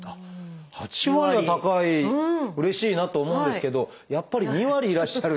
８割は高いうれしいなと思うんですけどやっぱり２割いらっしゃるっていう。